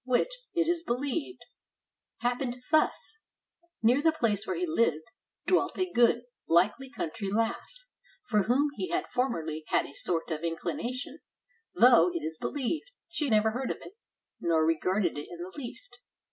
which, it is believed, happened 503 SPAIN thus: — Near the place where he lived dwelt a good, likely country lass, for whom he had formerly had a sort of an inclination, though, it is beheved, she never heard of it, nor regarded it in the least.